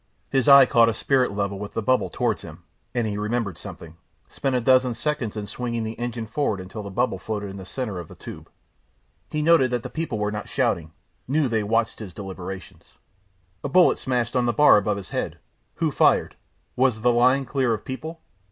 His eye caught a spirit level with the bubble towards him, and he remembered something, spent a dozen seconds in swinging the engine forward until the bubble floated in the centre of the tube. He noted that the people were not shouting, knew they watched his deliberation. A bullet smashed on the bar above his head. Who fired? Was the line clear of people?